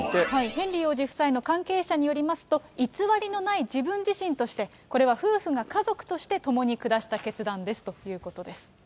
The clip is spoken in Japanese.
ヘンリー王子夫妻の関係者によりますと、偽りのない自分自身として、これは夫婦が家族として共に下した決断ですということです。